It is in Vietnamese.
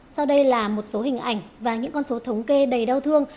sau đây là một số hình ảnh và những con số thống kê đầy đau thương